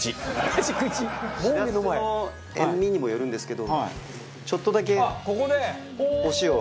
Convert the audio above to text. しらすの塩味にもよるんですけどちょっとだけお塩を。